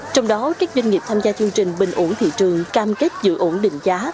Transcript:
trong đó các doanh nghiệp tham gia chương trình bình ổn thị trường cam kết giữ ổn định giá